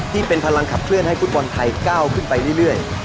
ที่เป็นพลังขับเคลื่อนให้ฟุตบอลไทยก้าวขึ้นไปเรื่อย